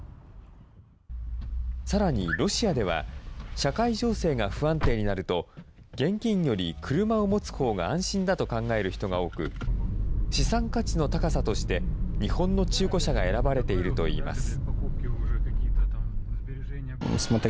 さらにロシアでは、社会情勢が不安定になると、現金より車を持つほうが安心だと考える人が多く、資産価値の高さとして日本の中古車が選ばれているといいます。